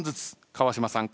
川島さん。